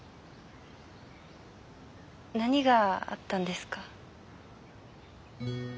何があったんですか？